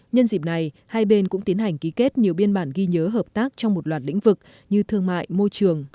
nhân dịp này hai bên cũng tiến hành ký kết nhiều biên bản ghi nhớ hợp tác trong một loạt lĩnh vực như thương mại môi trường